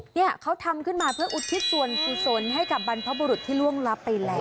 เนี่ยเขาทำขึ้นมาเพื่ออุทิศส่วนกุศลให้กับบรรพบุรุษที่ล่วงลับไปแล้ว